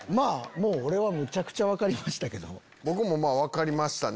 俺はむちゃくちゃ分かりました。